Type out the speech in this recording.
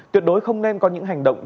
tuyệt đối không nên có những hành động